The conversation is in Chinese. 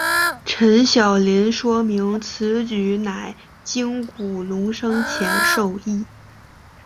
陈晓林说明此举乃经古龙生前授意。